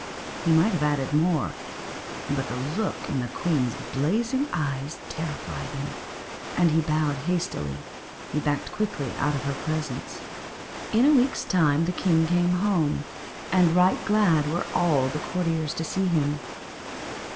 He might have added more, but the look in the queen's blazing eyes terrified him, and, bowing hastily, he backed quickly out of her presence. In a week's time the king came home, and right glad were all the courtiers to see him.